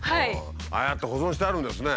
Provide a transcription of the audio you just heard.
ああやって保存してあるんですね。